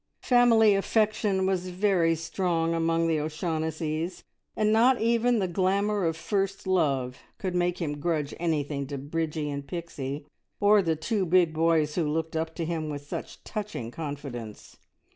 Family affection was very strong among the O'Shaughnessys, and not even the glamour of first love could make him grudge anything to Bridgie and Pixie, or the two big boys who looked up to him with such touching confidence.